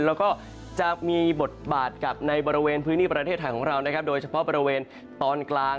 แล้วก็จะมีบทบาทกับในบริเวณพื้นที่ประเทศไทยของเรานะครับโดยเฉพาะบริเวณตอนกลาง